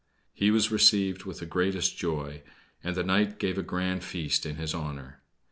He was received with the greatest joy; and the knight gave a grand feast in his honor.